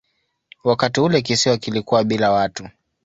Wakati ule kisiwa kilikuwa bila watu.